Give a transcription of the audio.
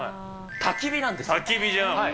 たき火じゃん。